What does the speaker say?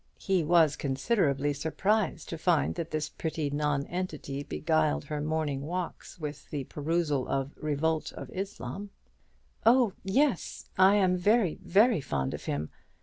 (He was considerably surprised to find that this pretty nonentity beguiled her morning walks with the perusal of the "Revolt of Islam.") "Oh yes, I am very, very fond of him.